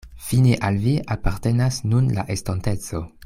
Fine al vi apartenas nun la estonteco.